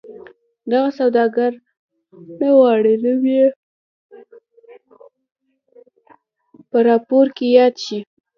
دغه سوداګر چې نه غواړي نوم یې په راپور کې یاد شي.